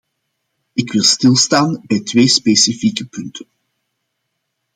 Ik wil stilstaan bij twee specifieke punten.